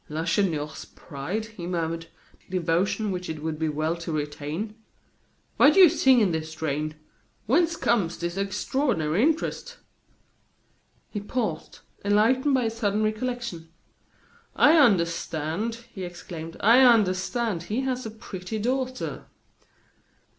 "Lacheneur's pride!" he murmured. "Devotion which it would be well to retain! Why do you sing in this strain? Whence comes this extraordinary interest?" He paused, enlightened by a sudden recollection. "I understand!" he exclaimed; "I understand. He has a pretty daughter."